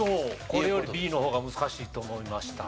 これよりＢの方が難しいと思いました。